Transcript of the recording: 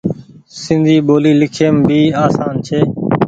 سندي ٻولي لکيم ڀي آسان ڇي۔